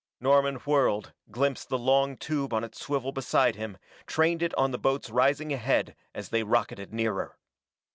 Norman whirled, glimpsed the long tube on its swivel beside him, trained it on the boats rising ahead as they rocketed nearer.